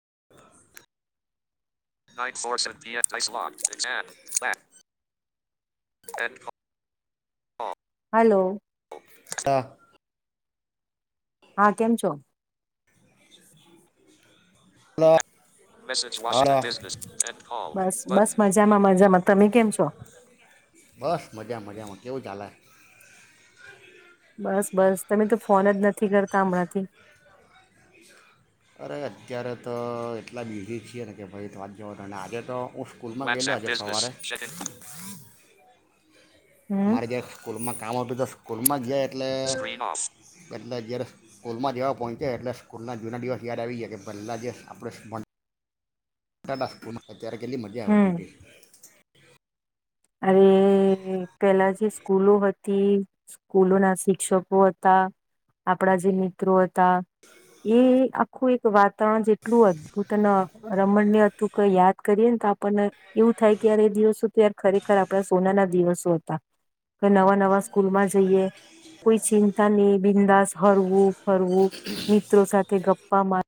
[inaudible] હાલો. કા હા, કેમ છો? [inaudible] [unintelligible] બસ બસ બસ મજામાં મજામાં તમે કેમ છો મજા મજા મ. કેવું ચાલે? બસ બસ તમે તો ફોન જ નથી કરતા અમણાંથી. અરે અત્યારે તો એટલા બીઝી છીએ ને કે ભઈ વાત જવા દે ને આજે તો હું સ્કૂલ ગેલો આજે સવારે. હમ મારે જરાક સ્કૂલમાં કામ હતું તો સ્કૂલમાં જયા એટલે એટલે જયારે સ્કૂલમાં જેવા પોઇચા એટલે સ્કૂલના જૂના દિવસ યાદ આવી ગિયા કે પહેલા જે આપણે [inaudible] ત્યારે કેટલી મજા આવતી હમ હતી. અરે રે પેલા જે સ્કૂલો હતી સ્કૂલો ના શિક્ષકો હતા આપડા જે મિત્રો હતા એ આખું એક વાતાવરણ જેટલું અદભુત ન અ રમણીય ને હતું કે યાદ કરીએ ને તો આપણને એવું થાય કે એ દિવસો ત્યાર ખરેખર આપણા સોના ના દિવસો હતા કે નવા નવા સ્કૂલમાં જઈએ કોઈ ચિંતા ની બિંદાસ હરવું ફરવું મિત્રો સાથે ગપ્પા મા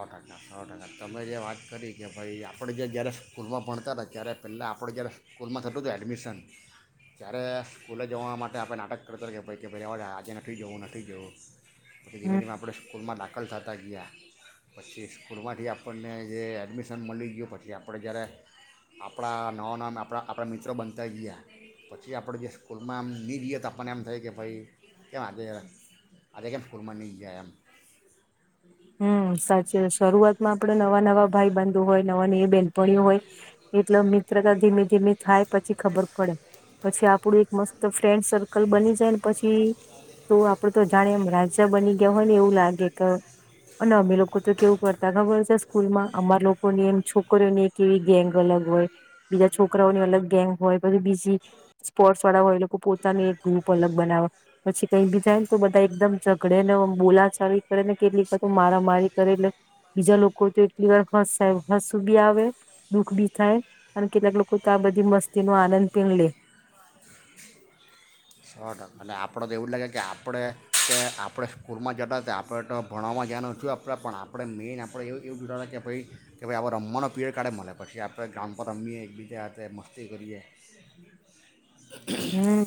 સો ટકા સો ટકા તમે જે વાત કરી કે ભાઈ આપણે જે જ્યારે સ્કૂલમાં ભણતા હતા ત્યારે પેલાં આપણું જ્યારે સ્કૂલમાં થતું હતું એડમિશન ત્યારે સ્કૂલે જવા માટે આપણે નાટક કરતા કે ભાઈ કે ભાઈ રેવા દે આજે નથી જવું નથી જવું. ધીમે હમ ધીમે આપણે સ્કૂલમાં દા ખલ થાતા ગીયા. પછી સ્કૂલમાંથી આપણને જે એડમિશન મલી ગિયું પછી આપણે જ્યારે આપણા નવા નવા આપણા આપણા મિત્રો બનતા ગીયા પછી આપણે જે સ્કૂલમાં એમ ની રીઈએ તો આપણને એમ થાય કે ભાઈ કેમ આજે આજે કેમ સ્કૂલમાં નહીં ગીયા એમ. હમ સાચે શરૂઆતમાં આપડે નવા નવા ભાઈબાંધુ હોય નવા નવી બેનપણીઓ હોય એટલે મિત્રતા ધીમે ધીમે થાય પછી ખબર પડે પછી આપડું એક મસ્ત ફ્રેન્ડ સર્કલ બની જાયને પછી તો આપડું તો જાણે એમ રાજ્ય બની ગયું હોય ને એવું લાગે ક અને અમે લોકો તો કેવું કરતા ખબર છે સ્કૂલમાં અમાર લોકોની એમ છોકરીઓની એક એવી ગેંગ અલગ હોય, બીજા છોકરાઓની અલગ ગેંગ હોય, પછી બીજી સ્પોર્ટસ વાળા હોય એ લોકો પોતાનું એક ગ્રુપ અલગ બનાવ પછી કઈ બી જાય ને તો બધા એકદમ ઝઘડે ને બોલાચાલી કરે ને કેટલીક તો મારામારી કરે એટલે બીજા લોકો તો એટલી વાર હસેવ હસુ બી આવે દુઃખ બી થાય અને કેટલાક લોકો તો આ બધી મસ્તી નો આનંદ પણ લે. સો ટકા એટલે આપણ તો એવું જ લાગે કે આપણે કે આપણે સ્કૂલમાં જતા હતા આપણે તો ભણવામાં ધ્યાન ઓછું આપતા પણ આપણે મેઇન આપણે એવું એવું જોતા હતા કે ભઈ કે ભાઈ રમવાનો પીયડ કાઢે મલે પછી આપણે ગામ પર રમીએ એકબીજા હાથે મસ્તી કરીએ. હમ.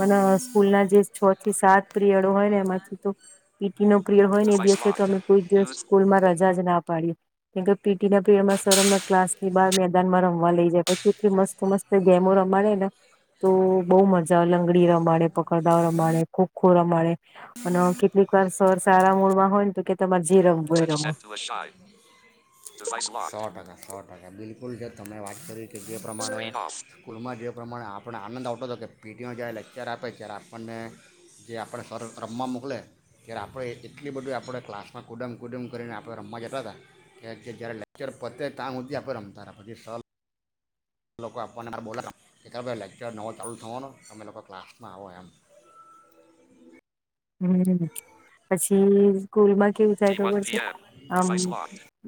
મન સ્કૂલ ના જે છ થી સાત પ્રિયડ હોય ને એમાંથી તો પી ટી નો પ્રિયડ હોય ને એ દિવસે તો અમે કોઈ દિવસ સ્કૂલમાં રજા જ ના પાડીએ. કેમકે પી ટી ના પ્રિરડમાં સર અમને ક્લાસ ની બાર મેદાનમાં રમવા લઇ જાય પછી કેટલી મસ્ત-મસ્ત ગેમો રમાડે ને. તો બહુ મજા આવે લંગડી રમાડે, પકડદાવ રમાડે, ખો-ખો રમાડે અને કેટલીક વાર સર સારા મૂડમાં હોય ને તો કે તમા [unintelligible] સો ટકા. સો ટકા બિલકુલ જે તમે વાત કરી કે જે પ્રમાણે સ્કૂલમાં જે પ્રમાણે આપણે આનંદ આવતો હતો કે પી ટી માં જ્યારે લેક્ચર આપે ત્યારે આપણને જે આપણે સર રમવા મોકલે ત્યારે આપણે એટલી બધી આપણે ક્લાસમાં કુદમ કુદમ કરીને આપણે રમવા જતા હતા કે જ જ્યારે લેક્ચર પતે તા હુદી આપણે રમતા હતા પછી સર લોકો આપવાને બોલાાઈ લેક્ચર નવો ચાલુ થવાનો તમે લોકો ક્લાસમાં આવો એમ હમ પછી સ્કૂલમાં કેવું થાય ખબર છે આમ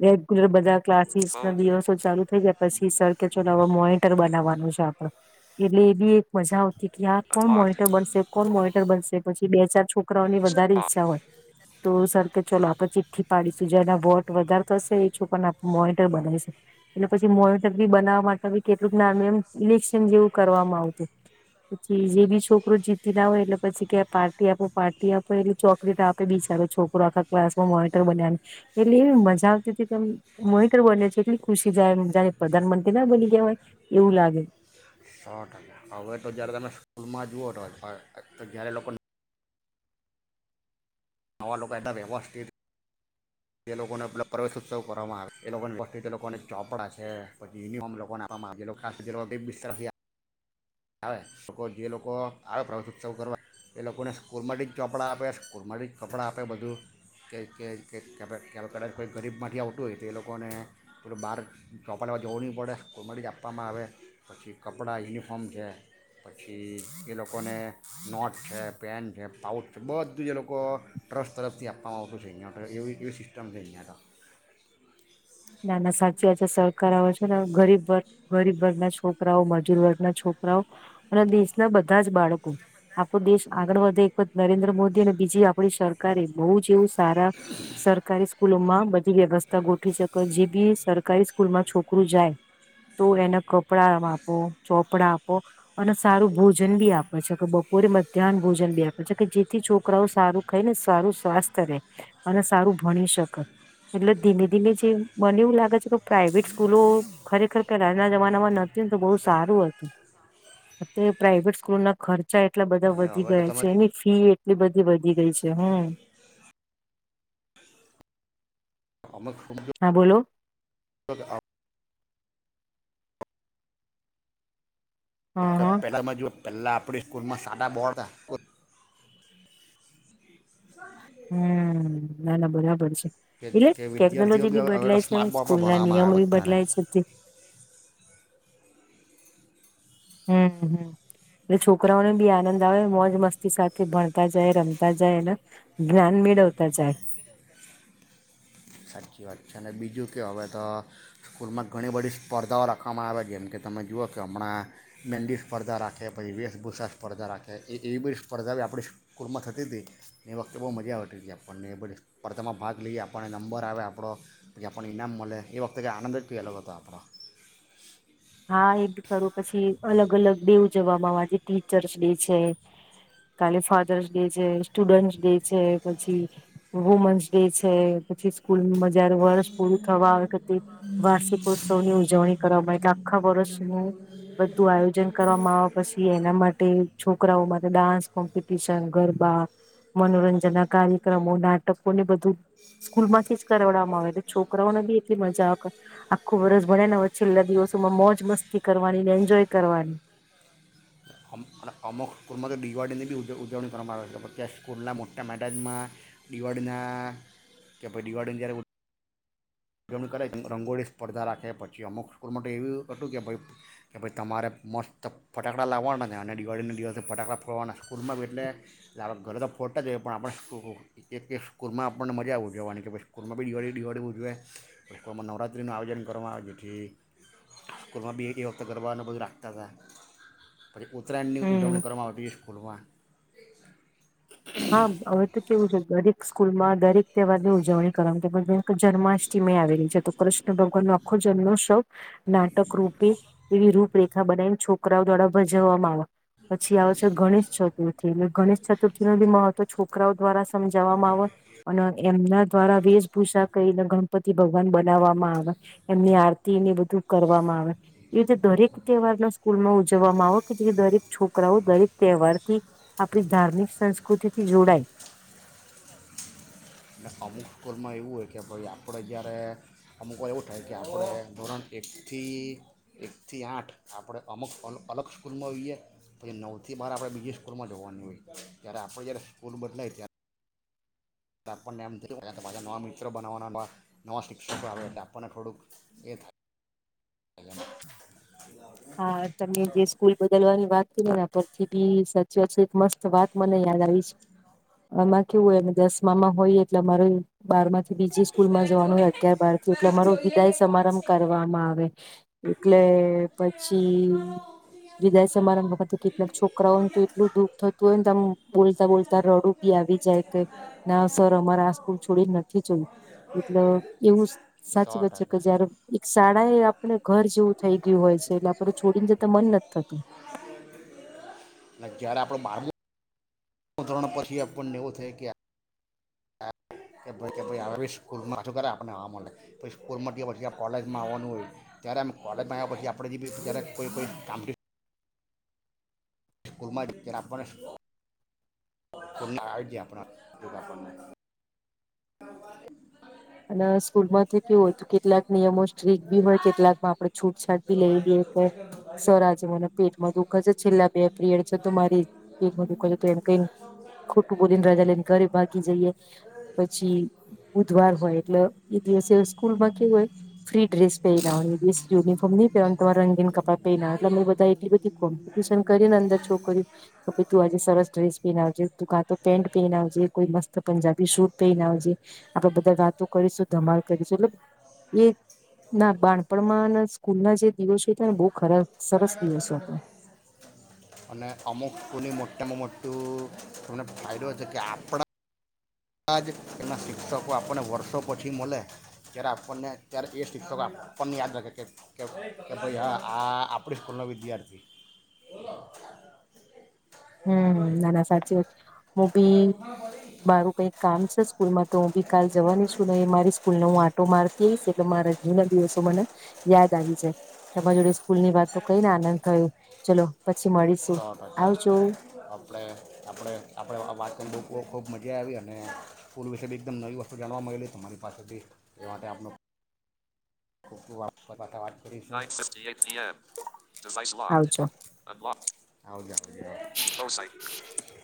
રેગ્યુલર બધા ક્લાસીસ ના દિવસો ચાલુ થઈ ગયા પછી સર કે ચોલો આ મોનિટર બનાવવાનું છે આપડ એલે બ મજા આવતી કે આ કોણ મોનિટર બનશે કોણ મોનિટર બનશે પછ બે હજાર છોકરાઓની વધારે ઈચ્છા હોય તો સર કે ચો આ પછી થી પાડીશું જેના વોટ વધારતો હશે એ છોકરાને આપ મોનટર બનાવીશું એટલે પછી મોનિટર બી બનાવવા માટે કેટલુંક નાર્મિ એમ ઇલેક્શન જેવું કરવામાં આવતું પછી જે બી છોકરો જીતી ના હોય એટલે પછી કે પાર્ટી આપો પાર્ટી આપો એટલે ચોકલીટ આપે બીચારો છોકરો આખા ક્લાસમાં મોનીટર બનાને એટલે એવી મજા આવતી હતી ત મોનિટર બને છે એટલી ખુશી જાય જાણે પ્રધાનમંત્રી ના બની ગયા હોય એવું લાગે સો ટકા હવે તો જયારે તમે સ્કૂલમાં જુઓ તો જયારે લોકો તમાવા લોકો એ વ્યવસ્થિત એ લોકોને પ પ્રવેશ ઉત્સવ કરવામાં આવે એ લોકોની વસ્ લોકોને ચોપડાં છે પછી યુિફોર્મ લોકોને આપવામાં આવે આવે લોકો જે લોકો આવે પ્રવેશ ઉત્સવ કરવા એ લોકોને સ્કૂલમાં જ ચોપડાં આપે સ્કૂલમાં જ કપડાં આપે બધું કે કદાચ કોઈ ગરીબમાંથી આવતું હોય તો એ લોકોને પોલું બહાર ચોપા લવા જવું નહીં પડે સ્કૂલમાં જ આપવામાં આવે પછી કપડાં યુનિફોર્મ ફોમ છે પછી એ લોકોને નોટ છે પેન છે પાઉચ છે બધું એ લોકો ટ્રસ્ટ તરફથી આપવામાં આવતું છે અહીંયા એવી એવી સિસ્ટમ છે અહીંયા તોળ ના ના સાચી વાચ છે કરાવ છે ગરીબ વર્ગ ગરીબ વર્ગના છોકરાઓ મજૂર વર્ગના છોકરાઓ અને દેશના બધા જ બાળકો આપણો દેશ આગળ વધે એકત નરેન્દ્ર મોદી અને બીજી આપડી સરકારે બહુ જ એવું સારા સરકારી સ્કૂલો માં બધી વ્યવસ્થા ગોઠવી જે બી સરકારી સ્કૂલમાં છોકરું જાય તો એને કપડાં આપો ચોપડા આપો અને સારું ભોજન બી આપે છે કે બપોરે મધ્યાહન ભોજન બી આપે છે કે જેથી છોકરાઓ સારું ખાય ને સારું સ્વાસ્થ્ય રહેે અને સારું ભણી શકે એટલે ધીમે ધીમે જે મને એવું લાગે છે કે પ્રાાઈવેટ સ્કૂલો ખરેખર આજના જમાનામાં નથીતી ને તો બહુ સારું હતું અત્યારે પ્રાાઈવેટ સ્કૂલો ના ખર્ચા એટલા બધા અને વધી હવે તો ગયા તમે છે એની ફી એટલી બધી વધી ગઈ છે હમ હા બોલો [unintelligible] હા ઓકે હા પહેલાંમાં જુઓ પહેલાં આપણી સ્કૂલમાં સાદા બોડ હતા [inaudible] હમ નાના બરાબર છે કે એટલે કે વિદ્યાર્થીઓ ટેકનોલોજી બી હવે હવે તો બદલાય છે સ્માર્ટ બોર્ડ પર સ્કૂલ ના ભણાવવામાં નિયમો આવે બી બધાને બદલાય છે હમ હમ એટ છોકરાઓને બી આનંદ આવે મોજ મસ્તી સાથે ભણતા જાય રમતા જાય અને જ્ઞાન મેળવતા જાય સાચી વાત છે અને બીજું કે હવે તો સ્કૂલમાં ઘણી બધી સ્પર્ધાઓ રાખવામાં આવે જેમ કે તમે જુઓ કે હમણાં મેંદડી સ્પર્ધા રાખે પછી વેશભૂષા સ્પર્ધા રાખે એવી બધી સ્પર્ધા આપણી સ્કૂલમાં થતી હતી એ વખતે બહુ મજા આવતી હતી આપણને એ બધી સ્પર્ધામાં ભાગ લઈ આપણને નંબર આવે આપણો જે આપણને ઈનામ મળે એ વખતે ક આનંદ જ પહેલો હતો આપણો હા એક કરું પછી અલગ અલગ ડે ઉજવવામાં આવે આજે ટીચર્સ ડે છે કાલે ફાધર્સ ડે છે સ્ટુડન્ટસ ડે છે પછી વુમન્સ ડે છે પછી સ્કૂલ મજાર વર્ષ પૂરું થવા આવે વાર્ષિકોત્સવ ની ઉજવણી કરવામાં એટલે ખબરસ નહી બધી તુ આયોજન કરવામાં આવે પછી એના માટે છોકરાઓમાં ડાન્સ કોમ્પિટિશન ગરબા મનોરંજન ના કાર્યક્રમો નાટકો ને બધું સ્કૂલ માંથી જ કરડવામાં આવેટલે છોકરાઓને બી એટલી મજા આવે આખું વરષ ભણે ને હોયય છેલ્લા દિવસ મોજ મસ્તી કરવાનીને એન્જોય કરવાની એટ અમુક સ્કૂલમાં તો દિવાળીની બી ઉજવણી કરવામાં આવે છેતં સ્કૂલના મોટા મેદાજમાં દિવાળીના કે ભાઈ દિવાળીની જ્યારે ઉજવણી કરે છે રંગોળી સ્પર્ધા રાખે પછી અમુક સ્કૂલમાં તો એવું હતું કે ભાઈ કે ભાઈ તમારે મસ્ત ફટાકડા લાવવાના છે અને દિવાળીના દિવસથી ફટાકડા ફોડવાના સ્કૂલમાં બી એટલે ઘરે તો ફોડતા જ હોએ પણ આપણે એક એક સ્કૂલમાં આપણને મજા ઉજવવાની કે ભાઈ સ્કૂલમાં બી દિવાળી દિવાળી ઉજવેએ સ્કૂલમાં નવરાત્રિનું આયોજન કરવામાં આવે જેથી સ્કૂલમાં બી એ વખતે ગરબાને બધું રાખતા હતા પછી ઉત્તરાયણની હમ ઉજવણીવામાં આવતી છે સ્કૂલમાં હા હવે તો કેવું છે દરેક સ્કૂલમાં દરેક તહેવારની ઉજવણી કરવા જન્માષ્ટમી આવેલી છે તો કૃષ્ણ ભગવાન નો આખો જન્મોત્સવ નાટક રૂપે એવી રૂપરેખા બનાવીને છોકરાઓ દ્વારા ભજવવામાં આવે પછી આવે છે ગણેશ ચતુર્થી એલે ગણેશ ચતુર્થી જી મહત્વ છોકરાઓ દ્વારા સમજાવવામાં આવે અને એમના દ્વારા વેશભૂષા કરીને ગણપતિ ભગવાન બનાવવામાં આવે એમની આરતીને બધું કરવામાં આવે એવી રીતે દરેક તહેવાર ના સ્કૂલ માં ઉજવવામાં આવે કે જે દરેક છોકરાઓ દરેક તહેવાર થી આપડી ધાર્મિક સંસ્કૃતિથી જોડાય. અને અમુક સ્કૂલમાં એવું હોય કે ભાઈ આપણે જય્યારે અમુક વાર એવું થાય કે આપણે ધોરણ એક થી એક થી આઠ આપણે અમુક અલગ સ્કૂલમાં જોઈએ પછી નવ થી બાર આપણે બીજી સ્કૂલમાં જવાની હોય ત્યારે આપણે જય્યારે સ્કૂલ બદલાય ત્યારે આપણને એમ થ માા નવા મિત્રો બનાવવાના નવા શિક્ષકો આવે એટલે આપણને થોડુંક એ થાય હા તમને જે સ્કૂલ બદલવાની વાત પરથી બી સાચી વાત છે એક મસ્ત વાત મને યાદ આવી છે એમાં કેવું હોય દસમામાં હોય એટલે અમારે બારમા થી બીજી સ્કૂલ માં પેલા જવાનું જોવે હોય અગિયાર બાર થી એટલે બરાબર અરો જોઈ લે વિદાય હે કોણ સમારંભ છે કોણ કરવામાં આવે એટલે નહીં પછી વિદાય સમારા વખત કેટલાક છોકરાઓને તો એટલું દુઃખ થતું હોય ને તો આમ બોલતા બોલતા રડું બી આવી જાય કે ના સર અમારે આ સ્કૂલ છોડી નથી જોયું એટલ એવું સો સાચી બત છે કે ટકા જયારે એક શાળ આપણે ઘર જેવું થઇ ગયું હોય છે. લા પર છોડીને જતા મન નથી થતું જયારે આપડ બાર ધોરણ પછી આપણને એવું થાય કે કેી સ્કૂલમાં છું ખ આપણે આવા મળે પછી સ્કૂલમાંયા પછી કોલેજમાં આવવાનું હોય ત્યારે આમ કોલેજમાં આવ્યા પછી આપણે જે બી જ્યારે કોઈ કામ સ્કૂલમાં ટીચર આપવાના શું ના આપણાગને હ અને સ્કૂલ માંથી કેવું હોય તો કેટલાક નિયમો સ્ટ્રીક ભી હોય કેટલાકમાં આપડે છૂટછાટ ભી લઈ લઈએ કે સર આજે મને પેટમાં દુખા છે છેલ્લા બે પીરિયડ છે તો મારી પેટમાં દુખ તો એમ કઈ ખોટું બોલીને રાજા લઈને ઘરે ભાગી જઈએ પછી ઉજવા હોય એટલે એ દિવસે સ્કૂલમાં કેવ હોય ફ્રી ડ્રેસ પહેરના દિવ યુનિફોર્મ નહી પહેર તમા રંગીન કપડા પહેર એલે અમે બધા એટલી બધી કોમ્પિટિશન કરીને અંદર છો કર્યું કે ભ તું આજે સરસ ડ્રેસ પહેનાવજે તું કાં તો પે પજે કોઈ મસ્ત પંજાબી શૂટ પહેન આવજે આપડે બધા વાત કરીશું ધમાલ કરીશું એ એ ના બાણપણમાં ના સ્કૂલ ના જે દિવસ છે તને બહ અને અમુક ઉ મોટેમ મોટ તો તમને ફાયદો છે કે આપણા બા એના શિક્ષકો આપણને વર્ષો પછી મળે જ્યારે આપણને ત્યારે એ શિક્ષકો આપણને યાદ રાખે કે ભાઈ હા આ આપડી સ્કૂલ ન વિદ્યાર્થી હમ ના ના સાચી વાત હું બી મારું કઈક કામ છે સ્કૂલ માં તો હું ભી કાલ જવાની છું નહી મારી સ્કૂલને હું આટો મારતી આવીઈશ એટલે મારા હજુના દિવસો મને યાદ આવે તમારી જોડે સ્કૂલ ની વાત તો કઈ ને આનંદ થયો ચલો પછી મળીશું સો ટકા આવજુ આપણે આપણે આપણે વાતને બૂકવ ખૂબ મજા આવી અને સ્કૂલ વિશે બી એકદમ નવી વસ્તુ જાણવા મળેલી તમારી પાસેથીી એ માટે આપણ વાશની આવજો ખાલી